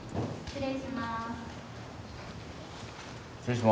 失礼します。